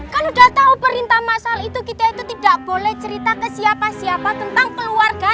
kan udah tau perintah masal itu kita itu tidak boleh cerita ke siapa siapa tentang keluarganya